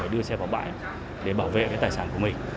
để đưa xe vào bãi để bảo vệ cái tài sản của mình